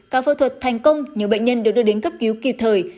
ca phẫu thuật thành công nhiều bệnh nhân được đưa đến cấp cứu kịp thời